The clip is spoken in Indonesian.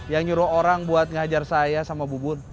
yang nyuruh orang buat ngajar saya sama bubun